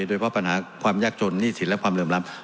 โดยเพราะปัญหาความยากจนนิสิตและความเริ่มรับ